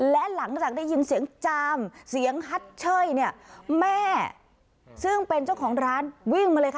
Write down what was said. และหลังจากได้ยินเสียงจามเสียงฮัดเชยเนี่ยแม่ซึ่งเป็นเจ้าของร้านวิ่งมาเลยค่ะ